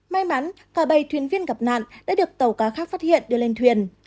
may mắn cả bảy thuyền viên gặp nạn đã được tàu cá khác phát hiện đưa lên thuyền